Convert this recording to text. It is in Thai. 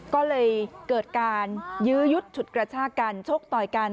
ก็เลยเกิดการยื้อยุดฉุดกระชากันชกต่อยกัน